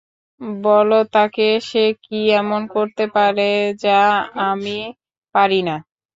বল তাকে সে কী এমন করতে পারে যা আমি পারি না।